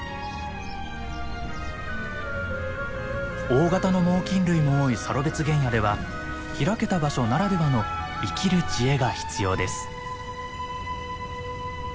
大型の猛きん類も多いサロベツ原野では開けた場所ならではの生きる知恵が必要です。